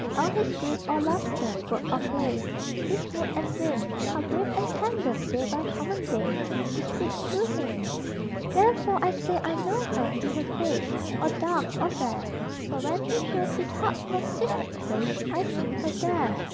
In all his grief or laughter, work or play, Each mood and whim, How brave and tender, day by common day, She speaks through him! Therefore I say I know her, be her face Or dark or fair For when he shows his heart's most secret place I see her there!